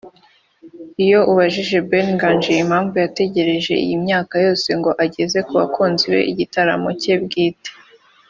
Iyo ubajije Ben Nganji impamvu yategereje iyi myaka yose ngo ageze ku bakunzi be igitaramo cye bwite